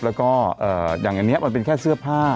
แล้วก็อย่างอันนี้มันเป็นแค่เสื้อผ้า